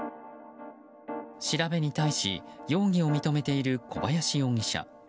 調べに対し容疑を認めている小林容疑者。